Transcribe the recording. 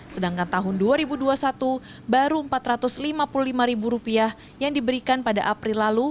sedangkan tahun dua ribu dua puluh satu baru rp empat ratus lima puluh lima yang diberikan pada april lalu